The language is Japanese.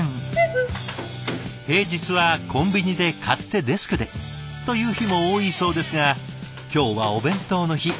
平日はコンビニで買ってデスクでという日も多いそうですが今日はお弁当の日。